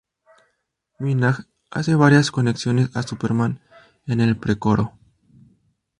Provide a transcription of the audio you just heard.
Minaj hace varias conexiones a Superman en el pre-coro.